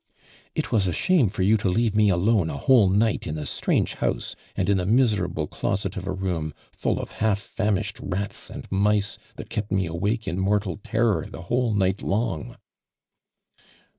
" It was a shame for you to leave me alone a whole night in a strange house and in a miserable closet of a room, full of lialf famished rats and mice that kept me awnke in mortal terror the whole night long.''